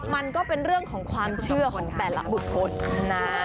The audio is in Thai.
มันก็เป็นเรื่องของความเชื่อของแต่ละบุคคลนะ